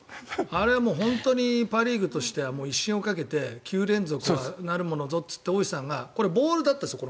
あれは本当にパ・リーグとしては威信をかけて９連続なるものぞって大石さんがこれ、ボールだったんですよ